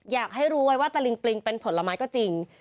อยากให้รู้ไว้ว่าตะลิงปลิงเป็นผลไม้ก็จริง